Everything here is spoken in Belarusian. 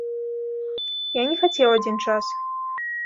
Я не хацеў адзін час.